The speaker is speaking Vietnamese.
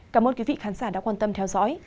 cảm ơn quý vị khán giả đã quan tâm theo dõi